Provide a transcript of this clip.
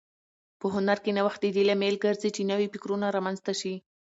په هنر کې نوښت د دې لامل ګرځي چې نوي فکرونه رامنځته شي.